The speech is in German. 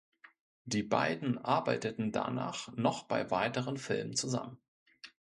Die beiden arbeiteten danach noch bei weiteren Filmen zusammen.